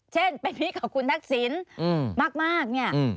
เช่นไปมีกับคุณนักศิลป์มากเนี่ย